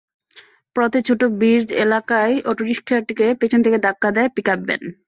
পথে ছোট ব্রিজ এলাকায় অটোরিকশাটিকে পেছন থেকে ধাক্কা দেয় পিকআপ ভ্যান।